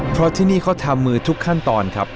เพราะที่นี่เขาทำมือทุกขั้นตอนครับ